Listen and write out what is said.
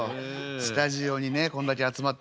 スタジオにねこんだけ集まってもらって。